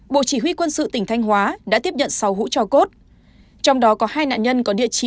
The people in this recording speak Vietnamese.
bộ chỉ huy quân sự tỉnh thanh hóa đã tiếp nhận sáu hũ cho cốt trong đó có hai nạn nhân có địa chỉ